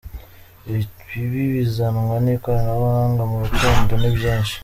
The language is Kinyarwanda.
Ibibi bizanwa n’ikoranabuhanga mu rukundo ni byinshi.